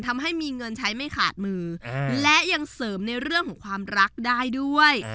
ทำให้มีเงินใช้ไม่ขาดมือและยังเสริมในเรื่องของความรักได้ด้วย